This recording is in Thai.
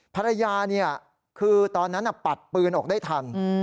ภรรยาคือตอนนั้นปัดปืนออกได้ทัน